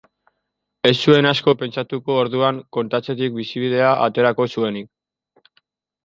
Ez zuen asko pentsatuko orduan kontatzetik bizibidea aterako zuenik.